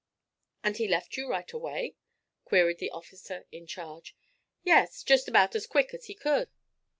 'And he left you right away?' queried the officer in charge. 'Yes jest about as quick as he could.'